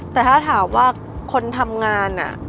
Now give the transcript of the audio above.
แต่ถ้าถามว่าคนทำงาน